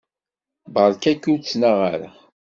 Beṛka-k ur ttnaɣ ara.